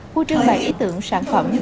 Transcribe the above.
khu trưng bày ý tưởng sản phẩm